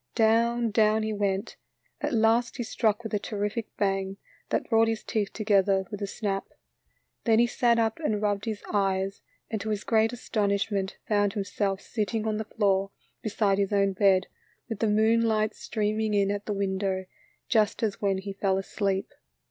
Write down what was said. Down, down he went, at last he struck with a terrific bang that brought his teeth together with a snap. Then he sat up and rubbed his eyes, and to his oreat astonishment found himself sitting on the floor beside his own bed, with the moon light streaming in at the window, just as when he fell asleep.